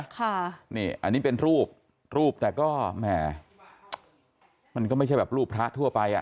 ค่ะอันนี้เป็นรูปรูปแต่ก็แหมมันก็ไม่ใช่แบบรูปพระทุน